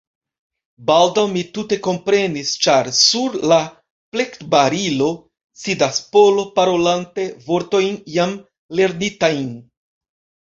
Baldaŭ mi tute komprenis; ĉar, sur la plektbarilo, sidas Polo, parolante vortojn jam lernitajn.